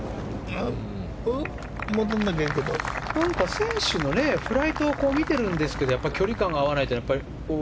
選手のフライトを見てるんですけど距離感が合わない。